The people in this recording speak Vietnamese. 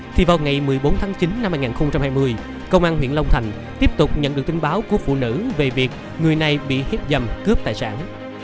thì vào ngày một mươi bốn tháng chín năm hai nghìn hai mươi công an huyện long thành tiếp tục nhận được tin báo của phụ nữ về việc người này bị hiếp dâm cướp tài sản